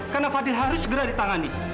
karena fadil harus segera ditangani